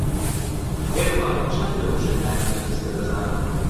ئێوە چەند لە وشەکانی ئەم لیستە دەزانن؟